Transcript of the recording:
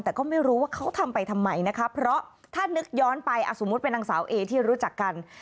แต่ก็ไม่รู้ว่าเขาทำไปทำไมนะคะเพราะถ้านึกย้อนไปสมมุติเป็นนางสาวเอที่รู้จักกัน